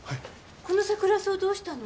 このサクラソウどうしたの？